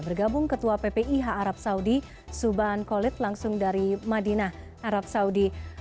bergabung ketua ppih arab saudi suban kolit langsung dari madinah arab saudi